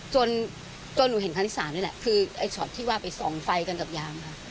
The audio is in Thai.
จนจนหนูเห็นครั้งที่๓นี่แหละคือไอ้ช็อตที่ว่าไปส่องไฟกันกับยางค่ะ